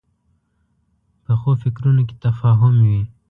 پخو فکرونو کې تفاهم وي